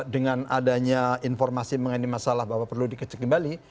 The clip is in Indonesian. dengan adanya informasi mengenai masalah bahwa perlu dikecek kembali